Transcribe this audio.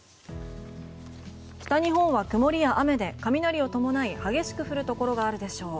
北日本は曇りや雨で雷を伴い激しく降るところがあるでしょう。